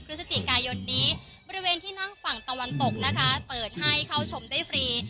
พฤศจิกายนนี้บริเวณที่นั่งฝั่งตะวันตกนะคะเปิดให้เข้าชมได้ฟรี